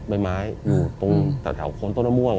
แบบไม้ไม้ตรงแถวแถวโคนต้นละม่วง